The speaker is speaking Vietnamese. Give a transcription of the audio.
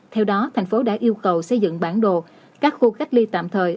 theo đó tp hcm đã yêu cầu xây dựng bản đồ các khu cách ly tạm thời